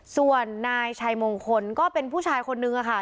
ส่วนนายชัยมงคลก็เป็นผู้ชายคนนึงค่ะ